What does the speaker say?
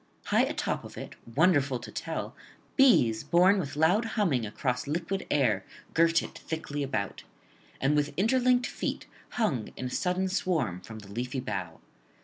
High atop of it, wonderful to tell, bees borne with loud humming across the liquid air girt it thickly about, and with interlinked feet hung in a sudden swarm from the leafy bough.